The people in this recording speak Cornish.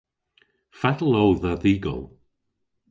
Fatel o dha dhy'gol?